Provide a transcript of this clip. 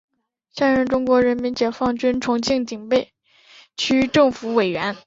现任中国人民解放军重庆警备区政治委员。